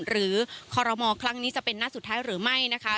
คอรมอครั้งนี้จะเป็นนัดสุดท้ายหรือไม่นะคะ